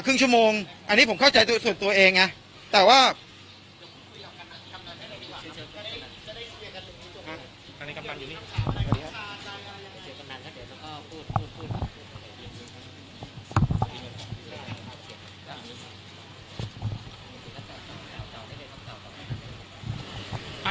ครึ่งชั่วโมงอันนี้ผมเข้าใจส่วนตัวเองไงแต่ว่า